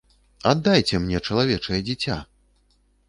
Аддайце мне чалавечае дзіця!